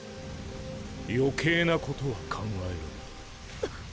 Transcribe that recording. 余計なことは考えるな。